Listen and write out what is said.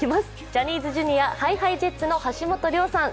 ジャニーズＪｒ．ＨｉＨｉＪｅｔｓの橋本涼さん。